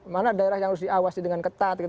mana daerah yang harus diawasi dengan ketat